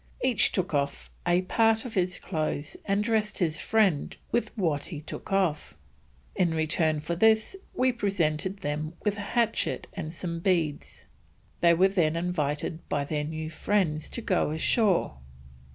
Each took off a part of his clothes and dressed his friend with what he took off; in return for this we presented them with a hatchet and some beads." They were then invited by their new friends to go ashore.